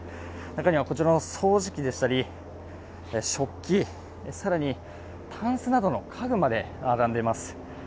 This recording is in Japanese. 中にはこちらの掃除機でしたり、食器、更にたんすなどの家具なで並んでいます。